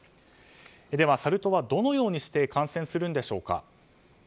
ではサル痘は、どのようにして感染するんでしょうか？